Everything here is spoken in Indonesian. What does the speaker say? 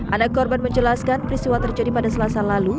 anak korban menjelaskan peristiwa terjadi pada selasa lalu